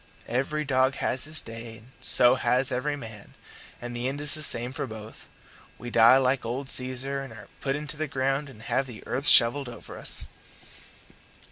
Every dog has his day and so has every man; and the end is the same for both. We die like old Caesar, and are put into the ground and have the earth shovelled over us."